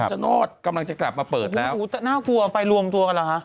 ชโนธกำลังจะกลับมาเปิดโอ้โหน่ากลัวไปรวมตัวกันเหรอคะ